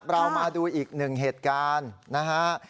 เรามาดูอีกหนึ่งเหตุการณ์นะฮะ